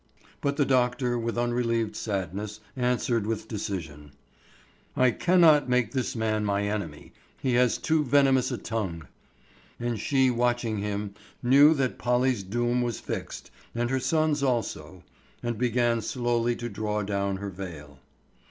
But the doctor with unrelieved sadness answered with decision, "I cannot make this man my enemy; he has too venomous a tongue." And she watching him knew that Polly's doom was fixed and her son's also, and began slowly to draw down her veil.